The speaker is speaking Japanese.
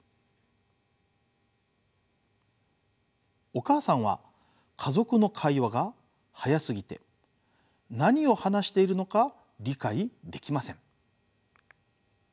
お母さんは家族の会話が速すぎて何を話しているのか理解できません。